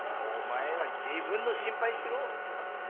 お前は自分の心配しろ。